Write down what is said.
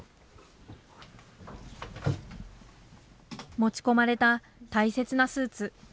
持ち込まれた大切なスーツ。